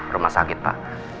rumah sakit pak